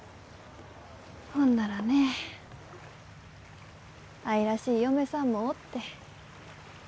ほんならね愛らしい嫁さんもおって。